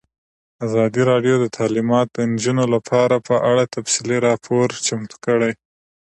ازادي راډیو د تعلیمات د نجونو لپاره په اړه تفصیلي راپور چمتو کړی.